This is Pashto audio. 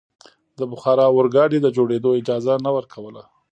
د بخار اورګاډي د جوړېدو اجازه نه ورکوله.